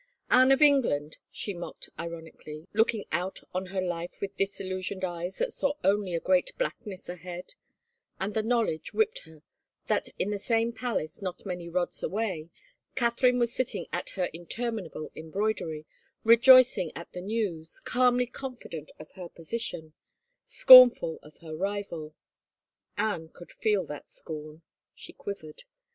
" Anne of England," she mocked ironically, looking out on her life with disillusioned eyes that saw only a great blackness ahead; and the knowledge whipped her that in the same palace, not many rods away, Catherine was sitting at her interminable embroidery, rejoicing at the news, calmly confident of her position, scornful of her rival. Anne could feel that scorn. She quivered.